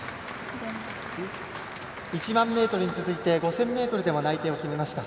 １００００ｍに続いて５０００ｍでも内定を決めました。